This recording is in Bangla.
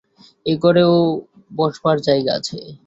এ-ঘরেও বসবার জায়গা আছে।